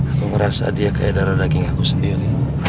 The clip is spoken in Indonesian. aku ngerasa dia kayak darah daging aku sendiri